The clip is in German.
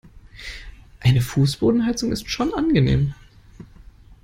Eine Fußbodenheizung ist schon angenehm.